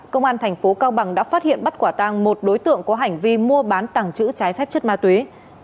công an thành phố cao bằng đã phát hiện bắt quả tăng một đối tượng có hành vi mua bán tàng trữ trái phép chất ma túy